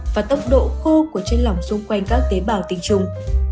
và tốc độ khô của chân lỏng xung quanh các tế bào tình trùng